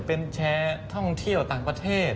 เป็นแชร์ท่องเที่ยวต่างประเทศ